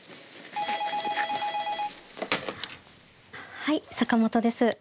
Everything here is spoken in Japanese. はい坂本です。